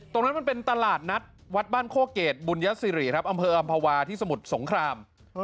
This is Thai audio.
ตรงนั้นมันเป็นตลาดนัดวัดบ้านโคเกตบุญยสิริครับอำเภออำภาวาที่สมุทรสงคราม